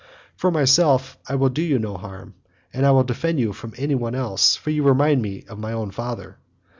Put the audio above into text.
For myself, I will do you no harm, and I will defend you from any one else, for you remind me of my own father."